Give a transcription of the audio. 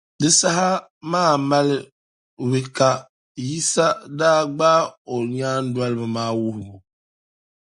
Di saha maa mali we ka Yisa daa gbaagi o nyaandoliba maa wuhibu.